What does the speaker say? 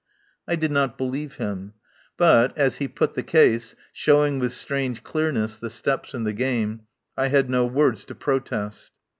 I did not believe him, but, as he put the case, showing with strange clearness the steps in the game, I had no words to protest.